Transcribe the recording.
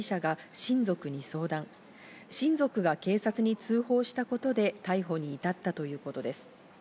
親族が警察に通報したことで逮捕に至ったということです。